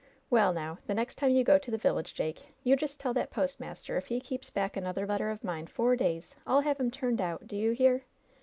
Well, now the next time you go to the village, Jake, you just tell that postmaster if he keeps back another letter of mine four days, I'll have him turned out. Do ye hear